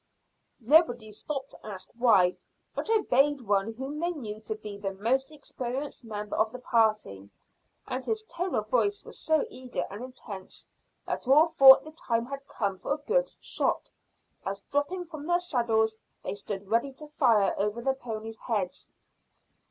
Nobody stopped to ask why, but obeyed one whom they knew to be the most experienced member of the party, and his tone of voice was so eager and intense that all thought the time had come for a good shot, as dropping from their saddles they stood ready to fire over their ponies' heads.